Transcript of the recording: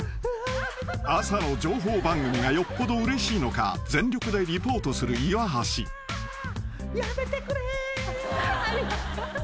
［朝の情報番組がよっぽどうれしいのか全力でリポートする岩橋］やめてくれ。